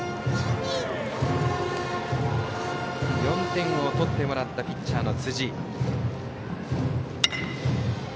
４点を取ってもらったピッチャーの辻。